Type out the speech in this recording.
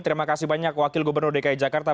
terima kasih banyak wakil gubernur dki jakarta